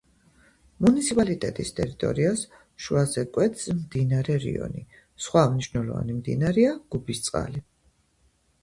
მუნიციპალიტეტის ტერიტორიას შუაზე კვეთს მდინარე რიონი, სხვა მნიშვნელოვანი მდინარეა გუბისწყალი.